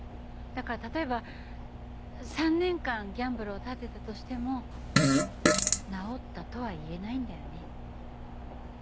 だから例えば３年間ギャンブルを断ってたとしても治ったとはいえないんだよね。